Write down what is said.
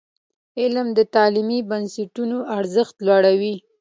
علم د تعلیمي بنسټونو ارزښت لوړوي.